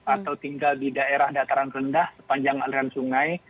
atau tinggal di daerah dataran rendah sepanjang aliran sungai